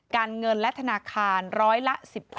การเงินและธนาคารร้อยละ๑๗